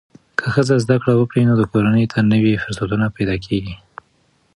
که ښځه زده کړه وکړي، نو کورنۍ ته نوې فرصتونه پیدا کېږي.